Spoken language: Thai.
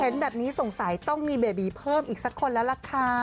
เห็นแบบนี้สงสัยต้องมีเบบีเพิ่มอีกสักคนแล้วล่ะค่ะ